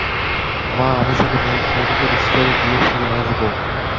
মা, আমি শুধু মেডিকেল স্টোরে গিয়ে ফিরে আসব।